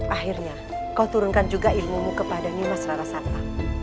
akhirnya kau turunkan juga ilmumu kepada nimas rarasata